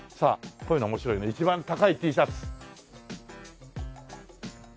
こういうの面白いね一番高いＴシャツ。